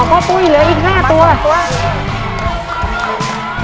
ขอข้อปุ้ยเหลืออีกห้าตัวห้าตัว